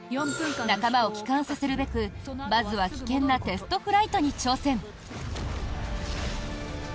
仲間を帰還させるべく、バズは危険なテストフライトに挑戦。